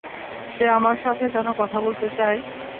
সে আমার সাথে কেন কথা বলতে চায়?